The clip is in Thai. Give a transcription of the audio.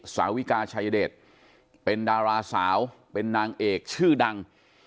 สาวิกาชัยเดชเป็นดาราสาวเป็นนางเอกชื่อดัง